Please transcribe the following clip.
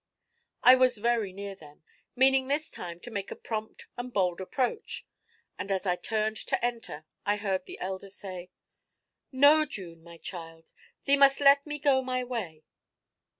I was very near them, meaning this time to make a prompt and bold approach, and as I turned to enter I heard the elder say: 'No, June, my child. Thee must let me go my way.'